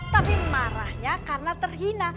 tapi marahnya karena terhina